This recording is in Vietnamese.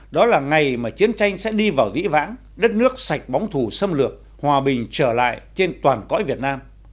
đó là ngày mà chiến tranh sẽ đi vào dĩ vãng đất nước sạch bóng thù xâm lược hòa bình trở lại trên toàn cõi việt nam